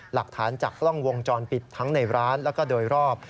หลักฐานจากกล้องวงจรปิดทั้งในร้านแล้วก็โดยรอบ